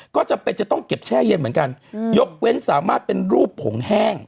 ก็จำเป็นจะต้องเก็บแช่เย็นเหมือนกันยกเว้นสามารถเป็นรูปผงแห้ง